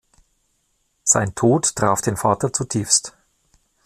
Sein Tod traf den Vater zutiefst.